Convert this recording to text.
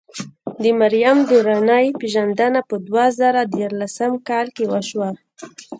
د مریم درانۍ پېژندنه په دوه زره ديارلسم کال کې وشوه.